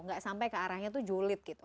gak sampai ke arahnya tuh julid gitu